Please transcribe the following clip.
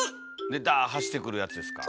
でダーッ走ってくるやつですか。